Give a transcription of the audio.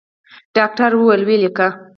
ډاکتر وويل ويې ليکه.